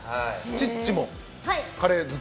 チッチもカレー好き？